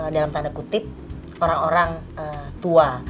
dalam tanda kutip orang orang tua